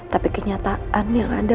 tapi kenyataan yang ada